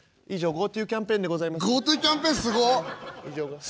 「『ＧｏＴｏキャンペーン』でございます」。